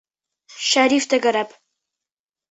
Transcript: Шәриф тәгәрәп